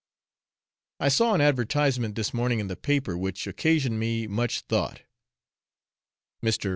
I saw an advertisement this morning in the paper, which occasioned me much thought. Mr.